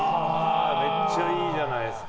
めっちゃいいじゃないですか。